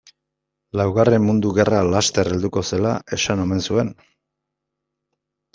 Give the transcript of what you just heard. Laugarren mundu gerra laster helduko zela esan omen zuen.